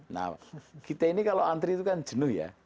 nah kita ini kalau antri itu kan jenuh ya